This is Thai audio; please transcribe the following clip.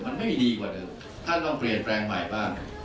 มันไม่ดีกว่าเดิมท่านต้องเปลี่ยนแปลงใหม่บ้าง